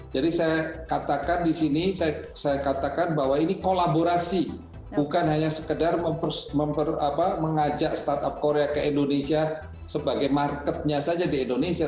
jadi saya katakan di sini saya katakan bahwa ini kolaborasi bukan hanya sekedar mengajak startup korea ke indonesia sebagai marketnya saja di indonesia